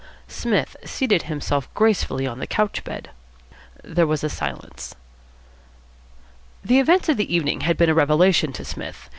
Psmith seated himself gracefully on the couch bed. There was a silence. The events of the evening had been a revelation to Psmith.